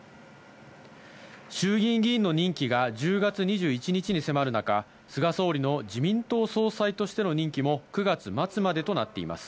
衆議院議員の任期が１０月２１日に迫る中、菅総理の自民党総裁としての任期も９月末までとなっています。